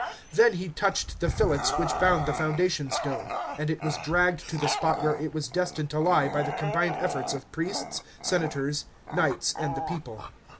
Then he touched the fillets which bound the foundation stone, and it was dragged to the spot where it was destined to lie by the combined efforts of priests, senators, knights, and the people.